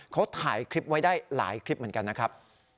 เขาถ่ายคลิปไว้ได้หลายคลิปเหมือนกันนะครับ